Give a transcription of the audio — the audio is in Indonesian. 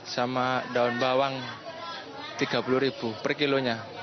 sama daun bawang rp tiga puluh per kilonya